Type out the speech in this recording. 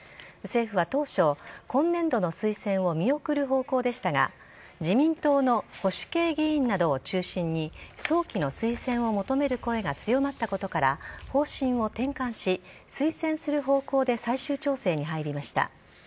政府は当初、今年度の推薦を見送る方向でしたが自民党の保守系議員などを中心に早期の推薦を求める声が強まったことから方針を転換し、推薦する方向で最終調整に入りました。